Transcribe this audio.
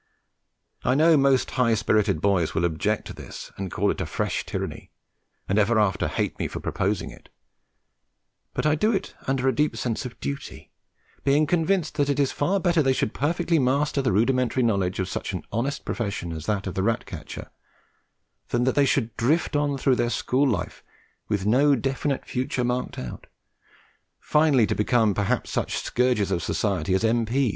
I know most high spirited boys will object to this and call it a fresh tyranny, and ever after hate me for proposing it; but I do it under a deep sense of duty, being convinced that it is far better they should perfectly master the rudimentary knowledge of such an honest profession as that of rat catcher, than that they should drift on through their school life with no definite future marked out, finally to become perhaps such scourges of society as M.P.